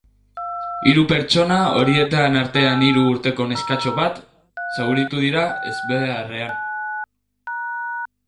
Hiru pertsona, horien artean hiru urteko neskato bat, zauritu dira ezbeharrean.